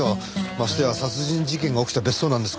ましてや殺人事件が起きた別荘なんですから。